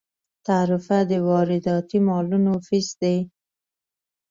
تعرفه د وارداتي مالونو فیس دی.